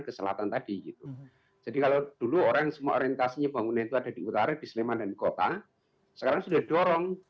ke selatan tadi itu jadi kalau dulu orang semua orientasinya bangun itu ada di utara di sleman dan